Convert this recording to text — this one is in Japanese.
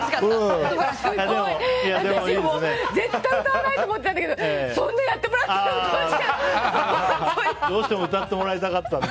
絶対、歌わないと思ってたんだけどそんな、やってもらったので。